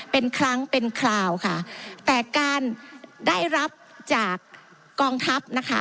เป็นครั้งเป็นคราวค่ะแต่การได้รับจากกองทัพนะคะ